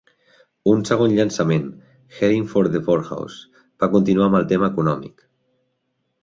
Un segon llançament, "Heading for the Poorhouse", va continuar amb el tema econòmic.